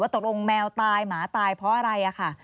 ตกลงแมวตายหมาตายเพราะอะไรค่ะ